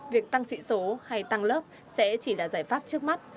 việc tăng sĩ số hay tăng lớp sẽ chỉ là giải pháp trước mắt